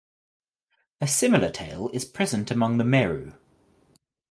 A similar tale is present among the Meru.